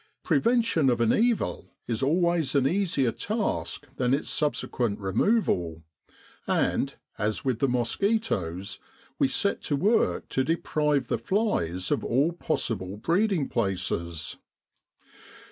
Prevention of an evil is always an easier task than its subsequent removal ; and, as with the mosquitoes, we set to work to deprive the flies of all possible breeding places.